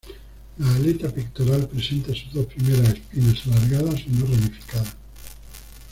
La aleta pectoral presenta sus dos primeras espinas alargadas y no ramificadas.